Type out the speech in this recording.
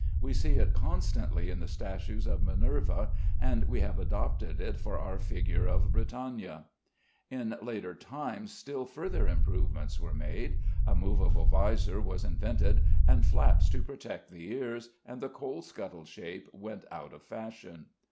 We see it constantly in the statues of Minerva, and we have adopted it for our figure of Britannia. In later times still further improvements were made. A movable vizor was invented and flaps to protect the ears, and the coal scuttle shape went out of fashion.